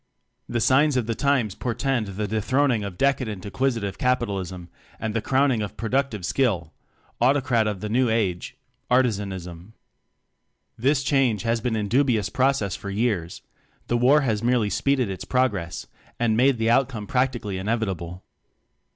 The signs of the times portend the dethroning of decadent acquisitive capitalism and the crowning of pro ductive skill Autocrat of the new Age Artizanism. This change has been in dubious process for years; the War has merely speeded its progress and made the outcome practically inevitable.